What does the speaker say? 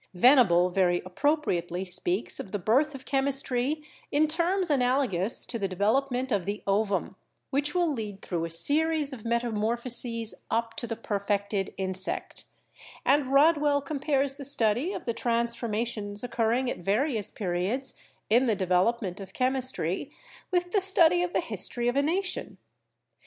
Venable very appropriately speaks of the birth of Chem istry in terms analogous to the development of the ovum, which will lead through a series of metamorphoses up to the perfected insect; and Rodwell compares the study of the transformations occurring at various periods in the development of Chemistry with the study of the history of a nation.